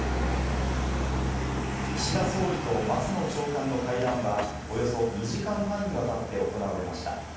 岸田総理と松野長官の会談は、およそ２時間半にわたって行われました。